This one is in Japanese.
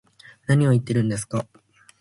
何を言ってるんですか